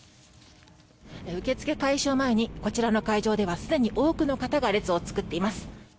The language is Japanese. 受け付け開始を前にこちらの会場ではすでに多くの方が列を作っています。